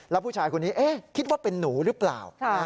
แล้วผู้ชายคนนี้คิดว่าเป็นหนูหรือเปล่า